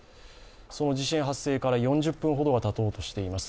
その地震発生から４０分ほどがたとうとしています。